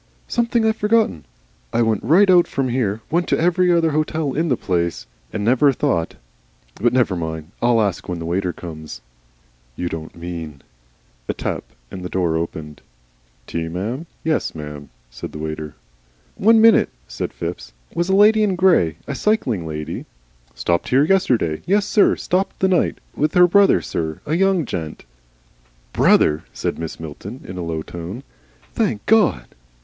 "Something I've forgotten. I went right out from here, went to every other hotel in the place, and never thought But never mind. I'll ask when the waiter comes." "You don't mean " A tap, and the door opened. "Tea, m'm? yes, m'm," said the waiter. "One minute," said Phipps. "Was a lady in grey, a cycling lady " "Stopped here yesterday? Yessir. Stopped the night. With her brother, sir a young gent." "Brother!" said Mrs. Milton, in a low tone. "Thank God!"